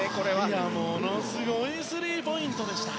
ものすごいスリーポイントでした。